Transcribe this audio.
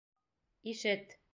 Ишет!